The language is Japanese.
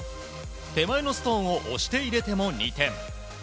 手前のストーンを押して入れても２点。